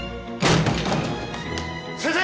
・先生！